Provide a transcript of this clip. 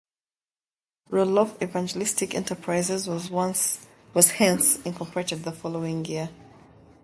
Roloff Evangelistic Enterprises was hence incorporated the following year.